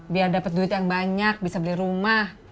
biar dapat duit yang banyak bisa beli rumah